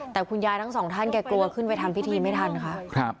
แต่คุณยายทั้งสองท่านแกกลัวขึ้นไปทำพิธีไม่ทันค่ะ